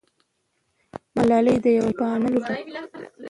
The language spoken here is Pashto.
ملالۍ د یوه شپانه لور ده.